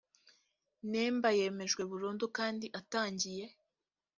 nemba yemejwe burundu kandi atangiye